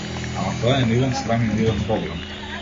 Ама тоа е нивен срам и нивен проблем.